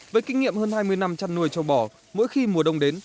với kinh nghiệm hơn hai mươi năm chăn nuôi châu bò mỗi khi mùa đông đến